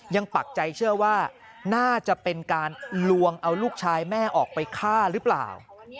ปักใจเชื่อว่าน่าจะเป็นการลวงเอาลูกชายแม่ออกไปฆ่าหรือเปล่า